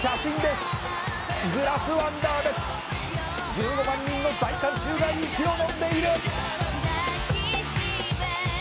「１５万人の大観衆が息をのんでいる」